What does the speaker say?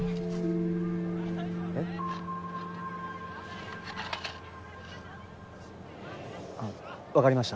えっ？あっわかりました。